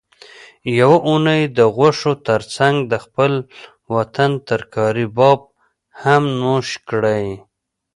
یوه اونۍ د غوښو ترڅنګ د خپل وطن ترکاري باب هم نوش کړئ